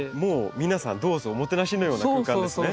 皆さんどうぞおもてなしのような空間ですね。